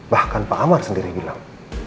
bahkan pak amar sendiri bilang